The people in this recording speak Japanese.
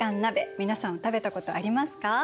皆さん食べたことありますか？